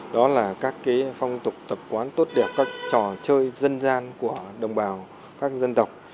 đó là các phong tục tập quán tốt đẹp các trò chơi dân gian của đồng bào các dân tộc